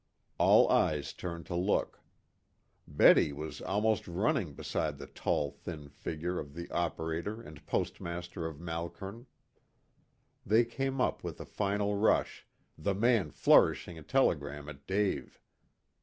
All eyes turned to look. Betty was almost running beside the tall thin figure of the operator and postmaster of Malkern. They came up with a final rush, the man flourishing a telegram at Dave.